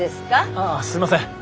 ああすいません。